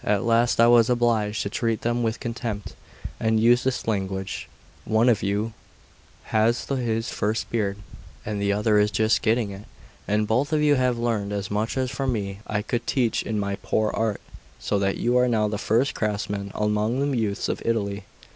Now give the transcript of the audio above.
At last I was obliged to treat them with contempt, and use this language: "One of you has his first beard, and the other is just getting it; and both of you have learned as much from me as I could teach in my poor art, so that you are now the first craftsmen among the youths of Italy.